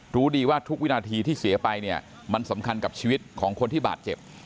รู้ดีว่าทุกวินาทีที่เสียไปเนี่ยมันสำคัญกับชีวิตของคนที่บาดเจ็บ